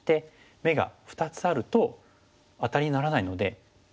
眼が２つあるとアタリにならないので打てない。